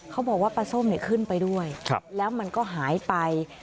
เขาบอกว่าปลาส้มขึ้นไปด้วยแล้วมันก็หายไป